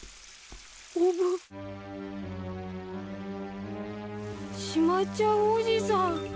おぶ？しまっちゃうおじさん。